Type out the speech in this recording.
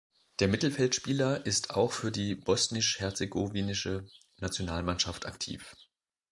Der Mittelfeldspieler ist auch für die bosnisch-herzegowinische Nationalmannschaft aktiv.